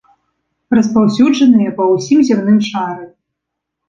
Распаўсюджаныя па ўсім зямным шары.